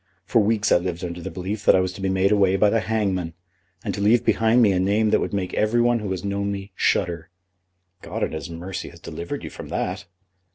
For weeks I lived under the belief that I was to be made away by the hangman, and to leave behind me a name that would make every one who has known me shudder." "God in His mercy has delivered you from that."